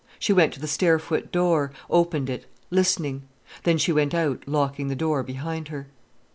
She went to the stairfoot door, opened it, listening. Then she went out, locking the door behind her.